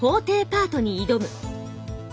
パートに挑む！